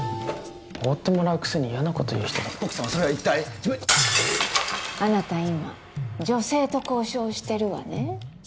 おごってもらうくせに嫌なこと言う人だなＰＯＣ様それは一体あなた今女性と交渉してるわね